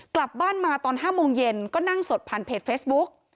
กลับบ้านมาตอน๕โมงเย็นก็นั่งสดผ่านเพจเฟซบุ๊ก